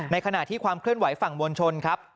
ขณะที่ความเคลื่อนไหวฝั่งมวลชนครับ